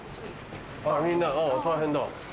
あらみんな大変だ。